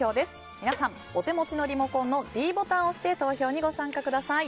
皆さん、お手持ちのリモコンのｄボタンを押して投票にご参加ください。